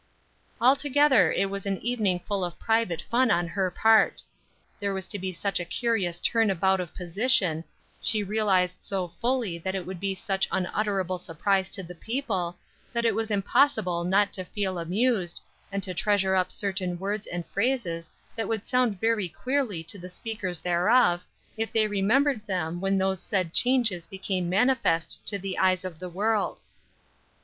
Altogether it was an evening full of private fun on her part. There was to be such a curious turn about of position, she realized so fully that it would be such unutterable surprise to the people, that it was impossible not to feel amused, and to treasure up certain words and phrases that would sound very queerly to the speakers thereof, if they remembered them when those said changes became manifest to the eyes of the world.